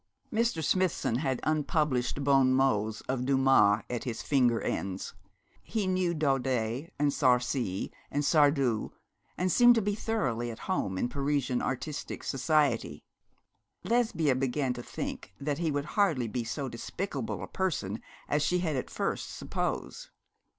Mr. Smithson had unpublished bon mots of Dumas at his finger ends; he knew Daudet, and Sarcey, and Sardou, and seemed to be thoroughly at home in Parisian artistic society. Lesbia began to think that he would hardly be so despicable a person as she had at first supposed.